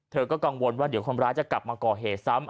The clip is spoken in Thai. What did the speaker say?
เธอก็กังวลว่าเดี๋ยวคนร้ายจะกลับมาก่อเหตุซ้ำ